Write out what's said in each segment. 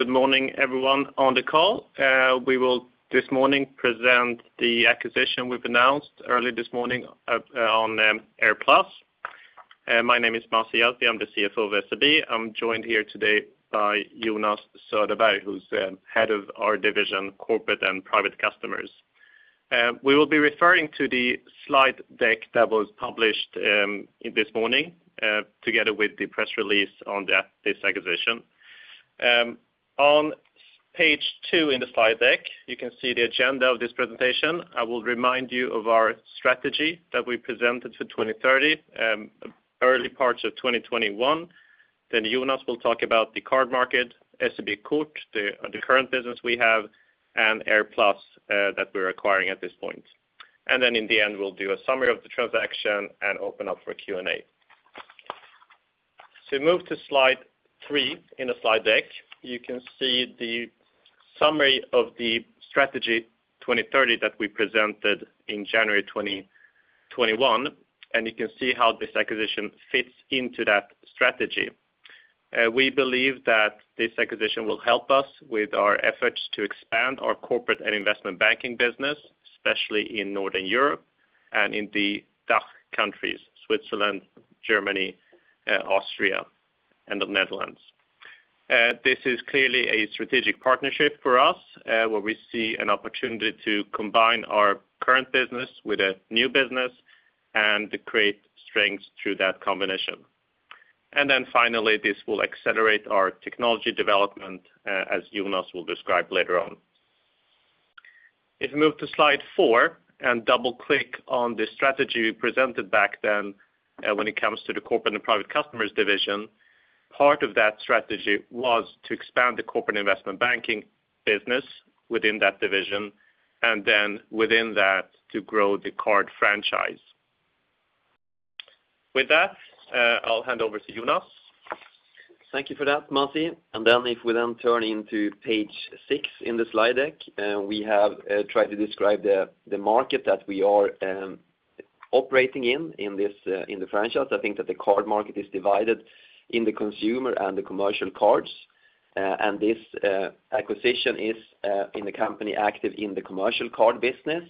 Good morning, everyone on the call. We will this morning present the acquisition we've announced early this morning on AirPlus. My name is Masih Yazdi, I'm the CFO of SEB. I'm joined here today by Jonas Söderberg, who's head of our division, Corporate and Private Customers. We will be referring to the slide deck that was published this morning together with the press release on this acquisition. On page 2 in the slide deck, you can see the agenda of this presentation. I will remind you of our strategy that we presented for 2030, early parts of 2021. Jonas will talk about the card market, SEB Kort, the current business we have, and AirPlus that we're acquiring at this point. In the end, we'll do a summary of the transaction and open up for Q&A. Move to slide 3 in the slide deck, you can see the summary of the strategy 2030 that we presented in January 2021, and you can see how this acquisition fits into that strategy. We believe that this acquisition will help us with our efforts to expand our corporate and investment banking business, especially in Northern Europe and in the DACH countries, Switzerland, Germany, Austria, and the Netherlands. This is clearly a strategic partnership for us, where we see an opportunity to combine our current business with a new business and to create strengths through that combination. Finally, this will accelerate our technology development, as Jonas will describe later on. If you move to slide 4 and double-click on the strategy we presented back then, when it comes to the Corporate and Private Customers division, part of that strategy was to expand the corporate investment banking business within that division, and then within that, to grow the card franchise. With that, I'll hand over to Jonas. Thank you for that, Masih. If we then turn into page six in the slide deck, we have tried to describe the market that we are operating in this in the franchise. I think that the card market is divided in the consumer and the commercial cards. This acquisition is in the company active in the commercial card business,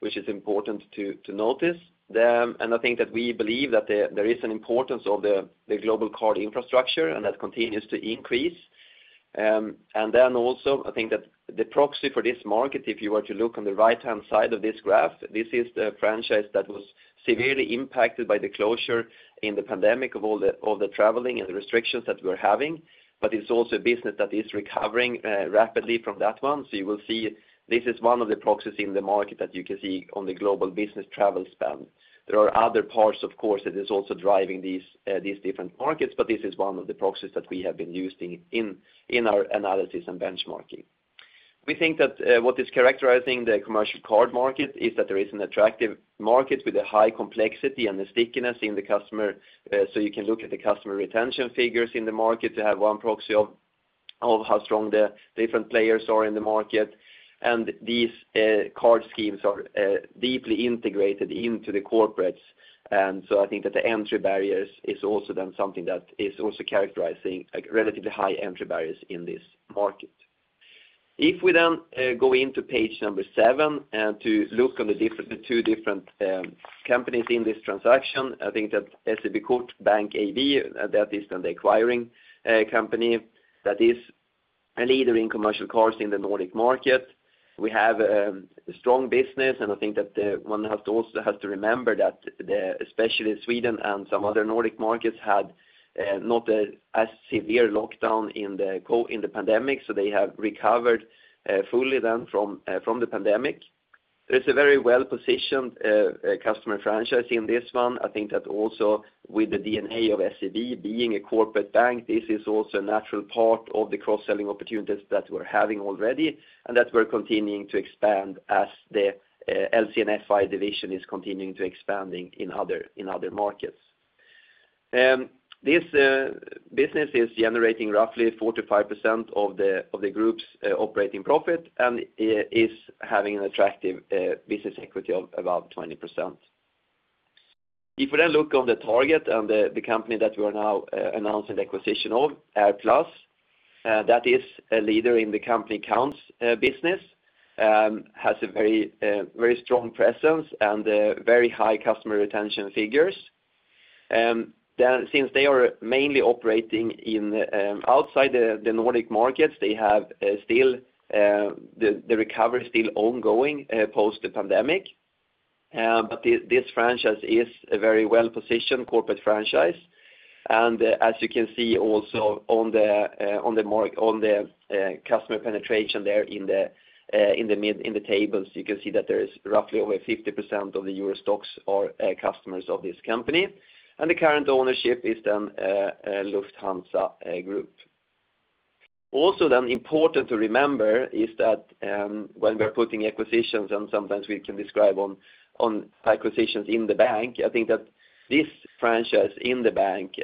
which is important to notice. I think that we believe that there is an importance of the global card infrastructure, and that continues to increase. I think that the proxy for this market, if you were to look on the right-hand side of this graph, this is the franchise that was severely impacted by the closure in the pandemic of all the, all the traveling and the restrictions that we're having, but it's also a business that is recovering rapidly from that one. You will see this is one of the proxies in the market that you can see on the global business travel spend. There are other parts, of course, that is also driving these different markets, but this is one of the proxies that we have been using in our analysis and benchmarking. What is characterizing the commercial card market is that there is an attractive market with a high complexity and the stickiness in the customer. You can look at the customer retention figures in the market to have one proxy of how strong the different players are in the market. These card schemes are deeply integrated into the corporates. I think that the entry barriers is also then something that is also characterizing, like, relatively high entry barriers in this market. If we go into page 7 to look on the two different companies in this transaction, I think that SEB Kort Bank AB, that is then the acquiring company that is a leader in corporate cards in the Nordic market. We have a strong business. I think that one has to remember that the especially Sweden and some other Nordic markets had not a as severe lockdown in the pandemic, so they have recovered fully then from the pandemic. There's a very well-positioned customer franchise in this one. I think that also with the DNA of SEB being a corporate bank, this is also a natural part of the cross-selling opportunities that we're having already, and that we're continuing to expand as the LC&FI division is continuing to expanding in other markets. This business is generating roughly 45% of the of the group's operating profit, and is having an attractive business equity of about 20%. We look on the target and the company that we are now announcing the acquisition of, AirPlus, that is a leader in the company accounts business, has a very strong presence and very high customer retention figures. Since they are mainly operating in outside the Nordic markets, they have still the recovery is still ongoing post the pandemic. This franchise is a very well-positioned corporate franchise. As you can see also on the customer penetration there in the tables, you can see that there is roughly over 50% of the EURO STOXX are customers of this company, the current ownership is Lufthansa Group. Important to remember is that when we're putting acquisitions, and sometimes we can describe on acquisitions in the bank, I think that this franchise in the bank,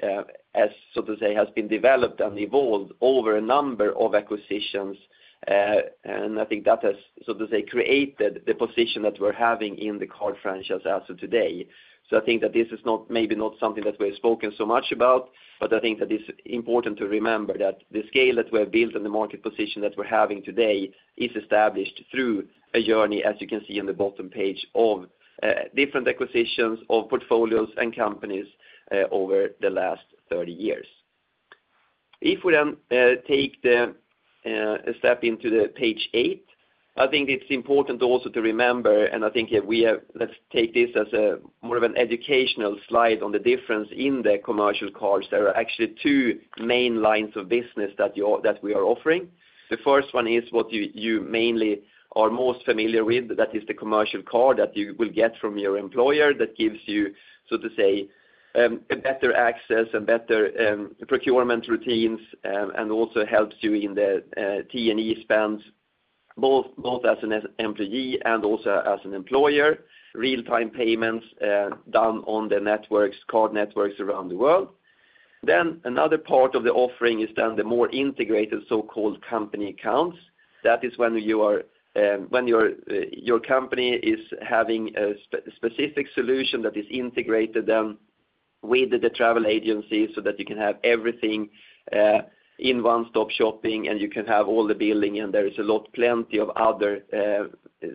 as so to say, has been developed and evolved over a number of acquisitions, and I think that has, so to say, created the position that we're having in the card franchise as of today. I think that this is not, maybe not something that we've spoken so much about, but I think that it's important to remember that the scale that we have built and the market position that we're having today is established through a journey, as you can see on the bottom page, of different acquisitions of portfolios and companies over the last 30 years. If we take a step into page 8. I think it's important also to remember, and I think let's take this as more of an educational slide on the difference in the corporate cards. There are actually two main lines of business that we are offering. The first one is what you mainly are most familiar with. That is the corporate card that you will get from your employer, that gives you, so to say, a better access, a better procurement routines, and also helps you in the T&E spends, both as an employee and also as an employer. Real-time payments, done on the networks, card networks around the world. Another part of the offering is the more integrated, so-called company accounts. That is when you are when your your company is having a specific solution that is integrated then with the travel agency, so that you can have everything in one-stop shopping, and you can have all the billing, and there is a lot plenty of other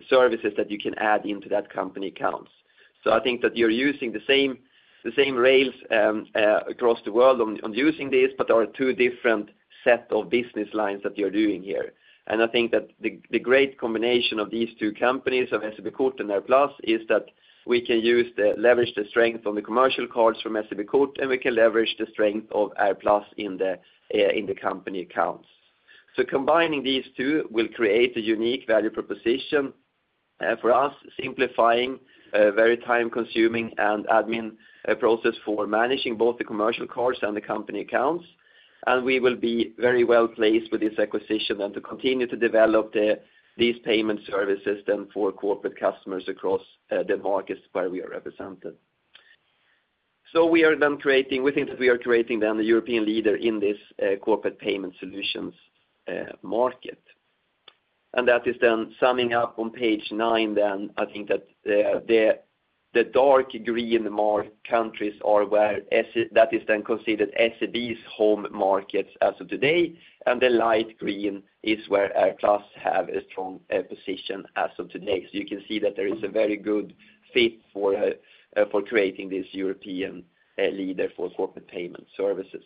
services that you can add into that company accounts. I think that you're using the same rails on using this, but there are two different set of business lines that you're doing here. I think that the great combination of these two companies, of SEB Kort and AirPlus, is that we can leverage the strength on the commercial cards from SEB Kort, and we can leverage the strength of AirPlus in the company accounts. Combining these two will create a unique value proposition for us, simplifying very time-consuming and admin process for managing both the corporate cards and the company accounts. We will be very well placed with this acquisition and to continue to develop these payment services then for corporate customers across the markets where we are represented. We are then creating, we think that we are creating then the European leader in this corporate payment solutions market. That is then summing up on page nine, then I think that the dark green more countries are where SEB's home markets as of today, and the light green is where AirPlus have a strong position as of today. You can see that there is a very good fit for creating this European leader for corporate payment services.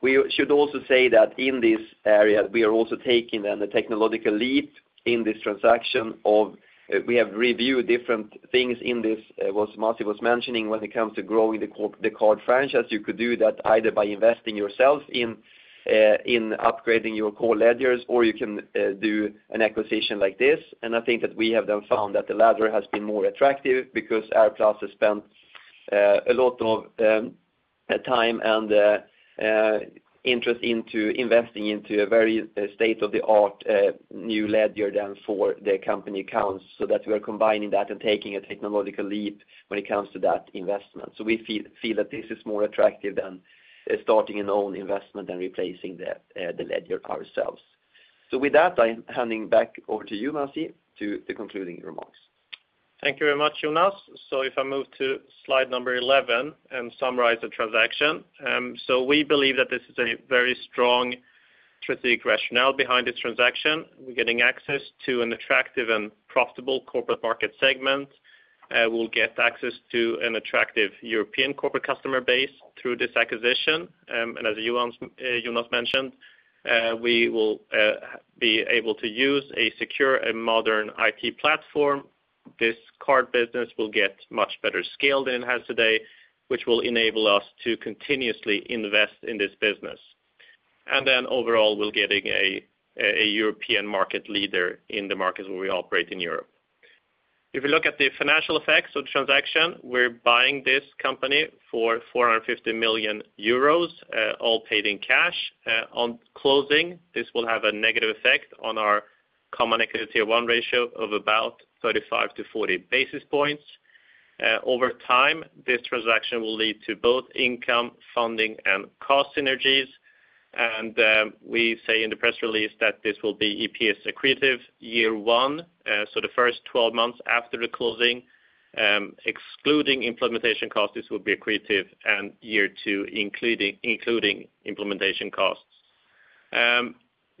We should also say that in this area, we are also taking then the technological leap in this transaction of, we have reviewed different things in this, what Masih was mentioning, when it comes to growing the card franchise. You could do that either by investing yourself in upgrading your core ledgers, or you can do an acquisition like this. I think that we have then found that the latter has been more attractive because AirPlus has spent a lot of time and interest into investing into a very state-of-the-art new ledger than for the company accounts. That we are combining that and taking a technological leap when it comes to that investment. We feel that this is more attractive than starting an own investment and replacing the ledger ourselves. With that, I'm handing back over to you, Masih, to the concluding remarks. Thank you very much, Jonas. If I move to slide number 11 and summarize the transaction. We believe that this is a very strong strategic rationale behind this transaction. We're getting access to an attractive and profitable corporate market segment. We'll get access to an attractive European corporate customer base through this acquisition. As Jonas mentioned, we will be able to use a secure and modern IT platform. This card business will get much better scaled than it has today, which will enable us to continuously invest in this business. Overall, we're getting a European market leader in the markets where we operate in Europe. If you look at the financial effects of the transaction, we're buying this company for 450 million euros, all paid in cash. On closing, this will have a negative effect on our Common Equity Tier 1 ratio of about 35-40 basis points. Over time, this transaction will lead to both income, funding, and cost synergies. We say in the press release that this will be EPS accretive year 1, so the first 12 months after the closing, excluding implementation costs, this will be accretive, and year 2, including implementation costs.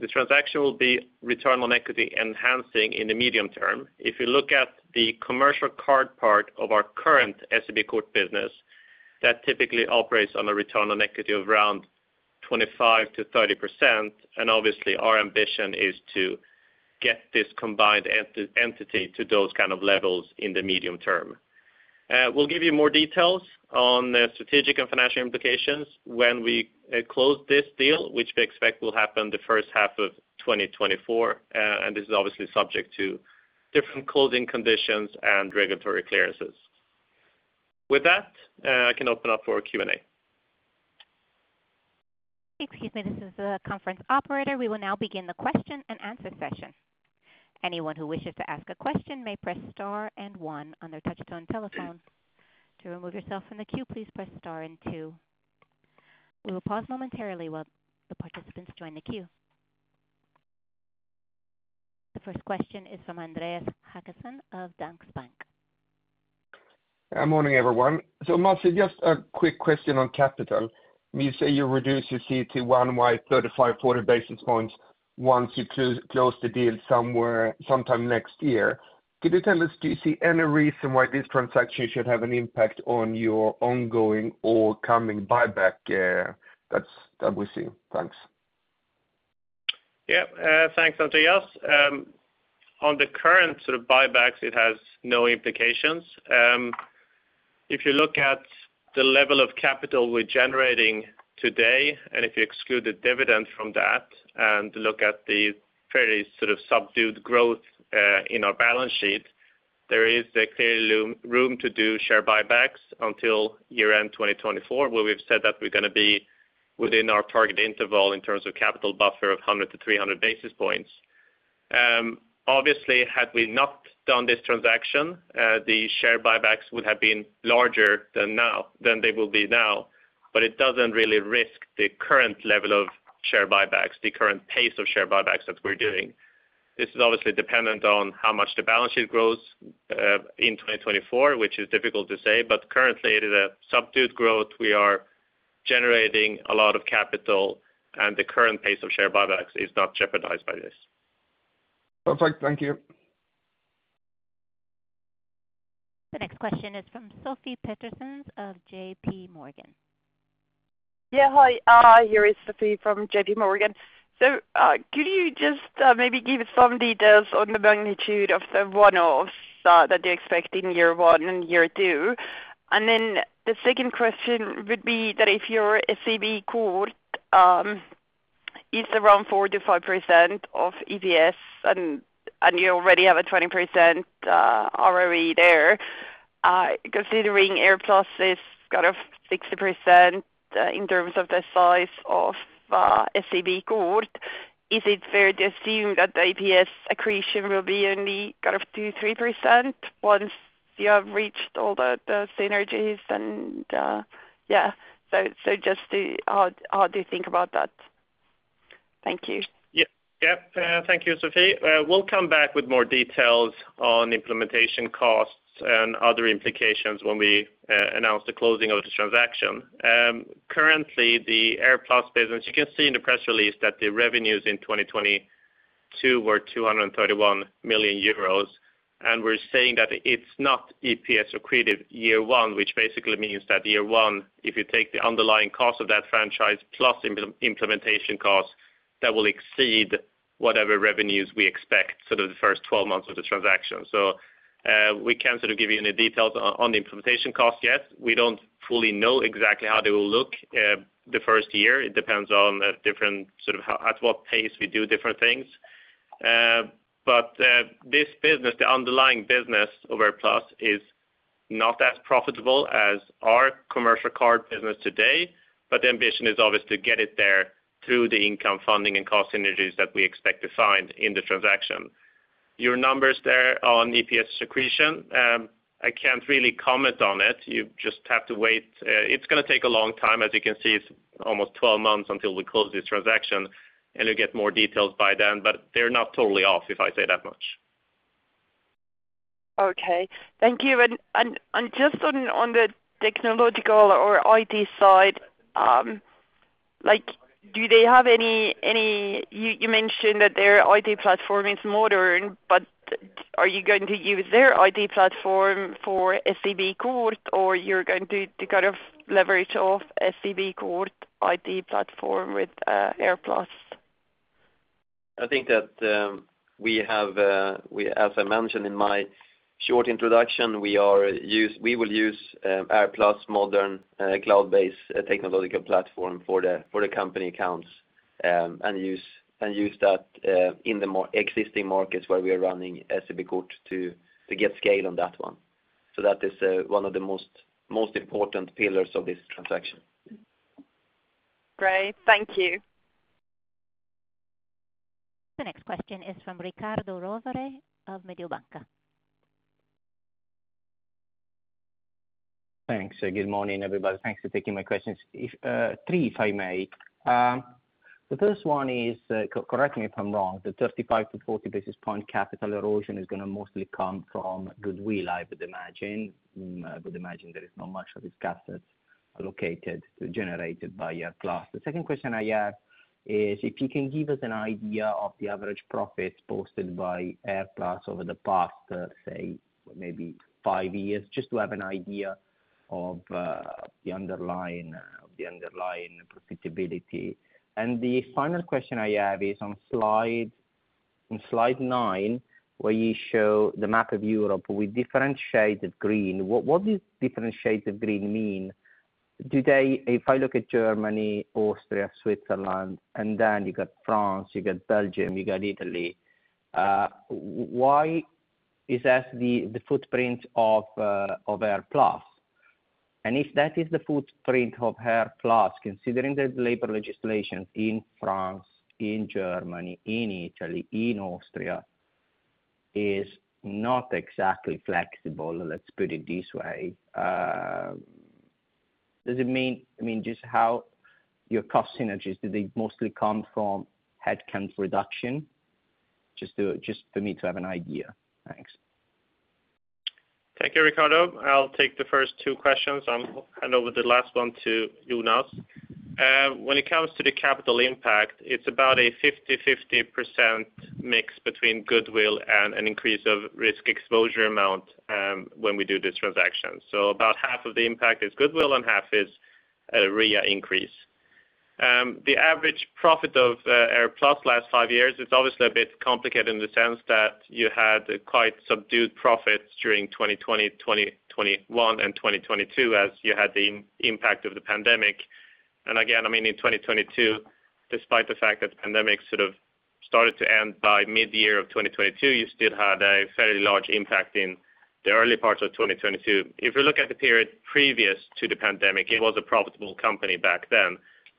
The transaction will be return on equity enhancing in the medium term. If you look at the commercial card part of our current SEB Kort business, that typically operates on a return on equity of around 25%-30%, and obviously, our ambition is to get this combined entity to those kind of levels in the medium term. We'll give you more details on the strategic and financial implications when we close this deal, which we expect will happen the first half of 2024. This is obviously subject to different closing conditions and regulatory clearances. With that, I can open up for Q&A. Excuse me, this is the conference operator. We will now begin the question and answer session. Anyone who wishes to ask a question may press Star and one on their touchtone telephone. To remove yourself from the queue, please press Star and two. We will pause momentarily while the participants join the queue. The first question is from Andreas Håkansson of Danske Bank. Good morning, everyone. Masih, just a quick question on capital. You say you reduce your CET1 by 35, 40 basis points. once you close the deal sometime next year, could you tell us, do you see any reason why this transaction should have an impact on your ongoing or coming buyback, that we see? Thanks. Thanks, Andreas Håkansson. On the current sort of buybacks, it has no implications. If you look at the level of capital we're generating today, and if you exclude the dividend from that, and look at the fairly sort of subdued growth in our balance sheet, there is clearly room to do share buybacks until year-end 2024, where we've said that we're gonna be within our target interval in terms of capital buffer of 100-300 basis points. Obviously, had we not done this transaction, the share buybacks would have been larger than now, than they will be now, but it doesn't really risk the current level of share buybacks, the current pace of share buybacks that we're doing. This is obviously dependent on how much the balance sheet grows, in 2024, which is difficult to say, but currently, at a subdued growth, we are generating a lot of capital, and the current pace of share buybacks is not jeopardized by this. Perfect. Thank you. The next question is from Sophie Lund-Yates of JP Morgan. Yeah, hi. Here is Sophie from JP Morgan. Could you just maybe give some details on the magnitude of the one-offs that you expect in year one and year two? And then the second question would be that if your SEB Kort is around 4%-5% of EPS, and you already have a 20% ROE there, considering AirPlus is kind of 60% in terms of the size of SEB Kort, is it fair to assume that the EPS accretion will be only kind of 2%-3% once you have reached all the synergies? And yeah, just the how do you think about that? Thank you. Yeah. Yep, thank you, Sophie. We'll come back with more details on implementation costs and other implications when we announce the closing of the transaction. Currently, the AirPlus business, you can see in the press release that the revenues in 2022 were 231 million euros, and we're saying that it's not EPS accretive year one, which basically means that year one, if you take the underlying cost of that franchise plus implementation costs, that will exceed whatever revenues we expect sort of the first 12 months of the transaction. We can't sort of give you any details on the implementation cost yet. We don't fully know exactly how they will look, the first year. It depends on different sort of how, at what pace we do different things. This business, the underlying business of AirPlus, is not as profitable as our commercial card business today, but the ambition is obviously to get it there through the income funding and cost synergies that we expect to find in the transaction. Your numbers there on EPS accretion, I can't really comment on it. You just have to wait. It's gonna take a long time. As you can see, it's almost 12 months until we close this transaction, and you'll get more details by then, but they're not totally off, if I say that much. Okay. Thank you. Just on the technological or IT side. You mentioned that their IT platform is modern, are you going to use their IT platform for SEB Kort, you're going to kind of leverage off SEB Kort IT platform with AirPlus? I think that, we have, we, as I mentioned in my short introduction, we will use AirPlus modern, cloud-based technological platform for the company accounts, and use that in the more existing markets where we are running SEB Kort to get scale on that one. That is one of the most important pillars of this transaction. Great. Thank you. The next question is from Riccardo Rovere of Mediobanca. Thanks. Good morning, everybody. Thanks for taking my questions. If three, if I may. The first one is, correct me if I'm wrong, the 35-40 basis point capital erosion is gonna mostly come from goodwill, I would imagine. I would imagine there is not much of these assets allocated, generated by AirPlus. The second question I have is if you can give us an idea of the average profits posted by AirPlus over the past, say, maybe 5 years, just to have an idea of the underlying profitability. The final question I have is on slide nine, where you show the map of Europe with different shades of green, what do different shades of green mean? Today, if I look at Germany, Austria, Switzerland, then you got France, you got Belgium, you got Italy, why is that the footprint of AirPlus? If that is the footprint of AirPlus, considering the labor legislation in France, in Germany, in Italy, in Austria, is not exactly flexible, let's put it this way. Does it mean I mean, just how your cost synergies, do they mostly come from headcount reduction? Just for me to have an idea. Thanks. Thank you, Riccardo. I'll take the first two questions, and I'll hand over the last one to Jonas. When it comes to the capital impact, it's about a 50-50% mix between goodwill and an increase of risk exposure amount when we do this transaction. So about half of the impact is goodwill and half is RWA increase. The average profit of AirPlus last five years is obviously a bit complicated in the sense that you had quite subdued profits during 2020, 2021, and 2022, as you had the impact of the pandemic. Again, I mean, in 2022, despite the fact that the pandemic sort of started to end by mid-year of 2022, you still had a fairly large impact in the early parts of 2022. If you look at the period previous to the pandemic, it was a profitable company back then,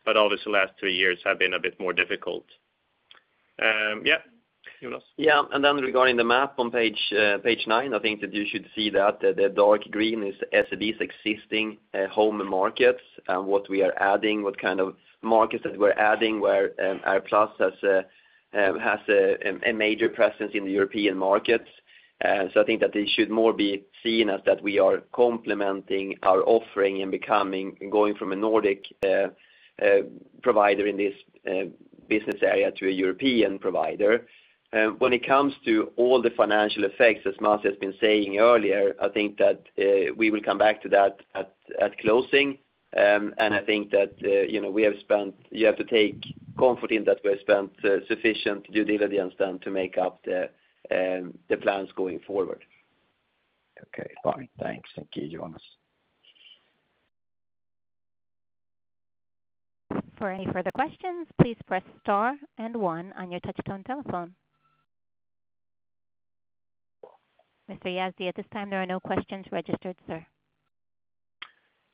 but obviously the last two years have been a bit more difficult. Yeah, Jonas. Regarding the map on page 9, I think that you should see that the dark green is SEB's existing home markets, and what we are adding, what kind of markets that we're adding, where AirPlus has a major presence in the European markets. I think that they should more be seen as that we are complementing our offering and becoming going from a Nordic provider in this business area to a European provider. When it comes to all the financial effects, as Masih has been saying earlier, I think that we will come back to that at closing. I think that, you know, you have to take comfort in that we have spent, sufficient due diligence done to make up the plans going forward. Okay, fine. Thanks. Thank you, Jonas. For any further questions, please press * and one on your touchtone telephone. Mr. Yazdi, at this time, there are no questions registered, sir.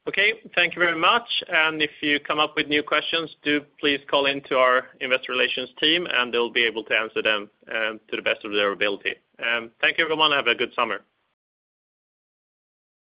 Okay, thank you very much. If you come up with new questions, do please call in to our investor relations team. They'll be able to answer them to the best of their ability. Thank you, everyone. Have a good summer.